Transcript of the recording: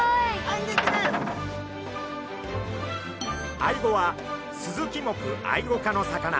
アイゴはスズキ目アイゴ科の魚。